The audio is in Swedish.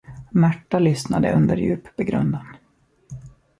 Märta lyssnade under djup begrundan.